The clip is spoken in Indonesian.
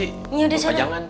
ini udah sana